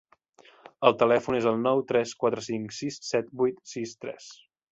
El telèfon és el nou tres quatre cinc sis set vuit sis tres.